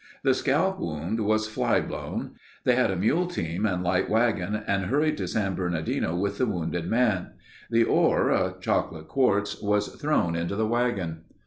The scalp wound was fly blown. They had a mule team and light wagon and hurried to San Bernardino with the wounded man. The ore, a chocolate quartz, was thrown into the wagon.